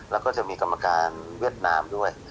แล้วก็จะมีกรรมการเวียดนามด้วย